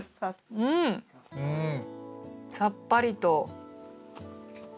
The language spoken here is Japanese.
うんさっぱりと。